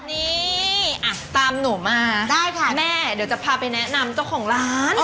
นี่ตามหนูมาแม่เดี๋ยวจะพาไปแนะนำเจ้าของร้าน